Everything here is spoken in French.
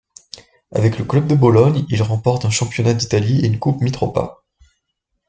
Avec le club de Bologne, il remporte un championnat d'Italie et une Coupe Mitropa.